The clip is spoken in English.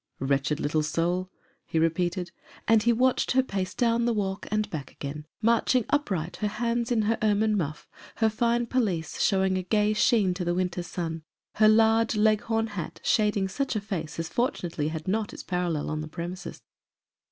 " Wretched little soul !" he repeated ; and he watched her pace down the walk and back again ; marching upright, her hands in her ermine muff, her fine pelisse showing a gay sheen to the winter's sun, her large Leghorn hat shading such a face as fortunately had not its parallel on the premises.